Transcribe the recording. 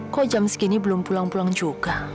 kok jam segini belum pulang pulang juga